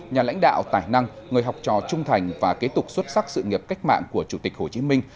nhà lãnh đạo tài năng người học trò trung thành và kế tục xuất sắc sự nghiệp cách mạng của chủ tịch hồ chí minh